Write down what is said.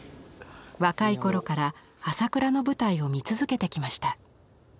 若い頃から朝倉の舞台を見続けてきました。